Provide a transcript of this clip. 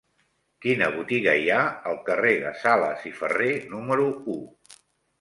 Quina botiga hi ha al carrer de Sales i Ferré número u?